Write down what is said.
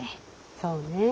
そうねえ。